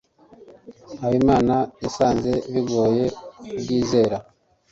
habimana yasanze bigoye kubyizera